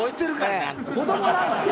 子供なんだよ。